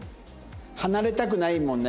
離れたくないもんね。